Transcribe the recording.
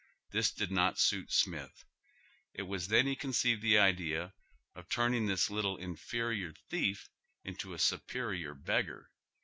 This did not suit Smith, It was then he conceived the idea of turning this little inferior thief into a superior beggar.